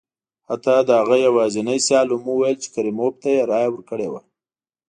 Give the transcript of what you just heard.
حتی د هغه یوازیني سیال هم وویل چې کریموف ته یې رایه ورکړې وه.